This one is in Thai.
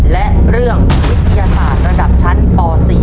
และเรื่องวิทยาศาสตร์ระดับชั้นป๔